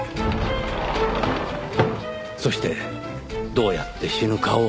そしてどうやって死ぬかを決めた。